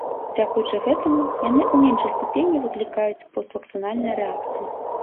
Дзякуючы гэтаму, яны ў меншай ступені выклікаюць поствакцынальныя рэакцыі.